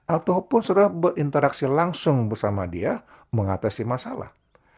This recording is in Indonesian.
ataupun saudara berinteraksi langsung bersama dia mengatasi masalah